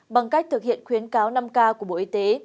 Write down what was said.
bằng cách thực hiện khuyến cáo năm k của bộ y tế